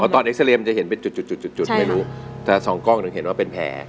ตอนเอ็กซาเรย์มันจะเห็นเป็นจุดจุดไม่รู้แต่สองกล้องถึงเห็นว่าเป็นแผล